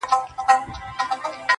عالمه یو تر بل جارېږی!